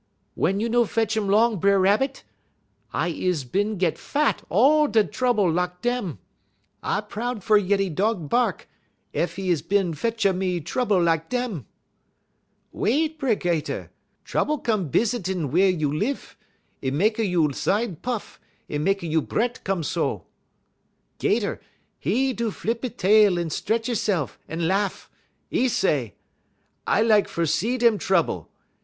"'Wey you no fetch 'im 'long, B'er Rabbit? I is bin git fat on all da' trouble lak dem. I proud fer yeddy Dog bark, ef 'e is bin fetch a me trouble lak dem.' "'Wait, B'er 'Gater! Trouble come bisitin' wey you lif; 'e mekky you' side puff; 'e mekky you' bre't' come so.' "'Gater, he do flup 'e tail un 'tretch 'ese'f, un lahff. 'E say: "'I lak fer see dem trouble.